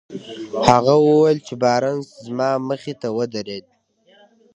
هغه وويل چې بارنس زما مخې ته ودرېد.